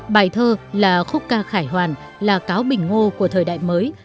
bài thơ là khúc ca khải hoàn là cáo bình ngô của thời đại mới